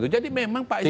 jadi memang pak sby ini